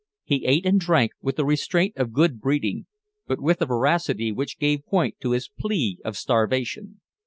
He ate and drank with the restraint of good breeding, but with a voracity which gave point to his plea of starvation.